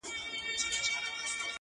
ه ولي په زاړه درد کي پایماله یې!!